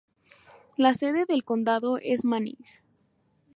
La sede del condado es Manning.